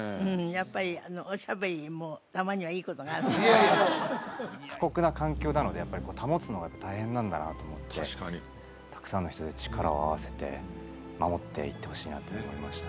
やっぱりおしゃべりもたまにはいいことがある過酷な環境なのでやっぱり保つのが大変なんだなと思って確かにたくさんの人で力を合わせて守っていってほしいなって思いました